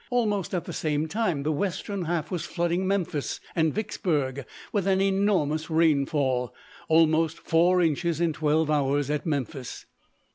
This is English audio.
Almost at the same time the western half was flooding Memphis and Vicksburg with an enormous rainfall almost four inches in twelve hours, at Memphis.